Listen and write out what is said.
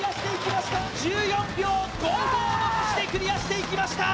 １４秒５５残してクリアしていきました。